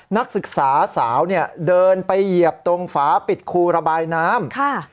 นักศึกษาสาวเนี่ยเดินไปเหยียบตรงฝาปิดคูระบายน้ำ